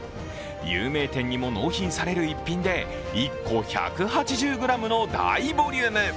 有名店にも納品される逸品で１個１８０ｇの大ボリューム。